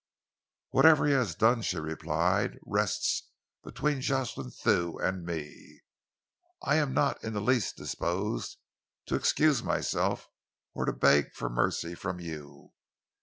"Whatever he has done," she replied, "rests between Jocelyn Thew and me. I am not in the least disposed to excuse myself or to beg for mercy from you.